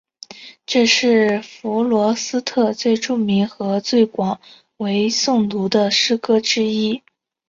这是弗罗斯特最著名和最广为诵读的诗歌之一。